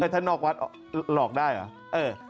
ถ้านอกวัดหลอกได้เหรอ